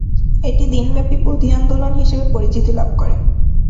এটি দিনব্যাপী বদি আন্দোলন হিসেবে পরিচিতি লাভ করে।